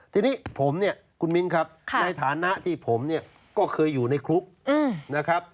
ทีนี้ผมเนี่ยคุณมิ้นครับในฐานะที่ผมเนี่ยก็เคยอยู่ในคุกนะครับ